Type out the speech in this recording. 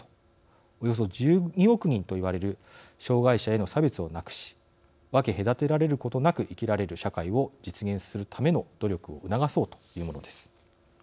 およそ１２億人といわれる障害者への差別をなくし分け隔てられることなく生きられる社会を実現するための努力を促そうというものです。